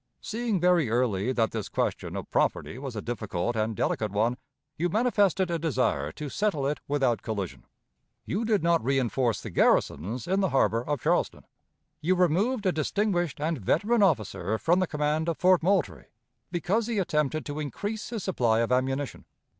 Seeing very early that this question of property was a difficult and delicate one, you manifested a desire to settle it without collision. You did not reënforce the garrisons in the harbor of Charleston. You removed a distinguished and veteran officer from the command of Fort Moultrie, because he attempted to increase his supply of ammunition.